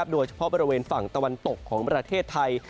โดยเฉพาะบริเวณฝั่งตะวันตกของประเทศไทย